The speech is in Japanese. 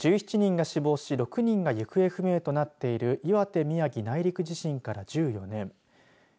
１７人が死亡し６人が行方不明となっている岩手・宮城内陸地震から１４年。